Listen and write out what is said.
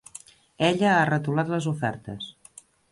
Ella ha retolat les ofertes.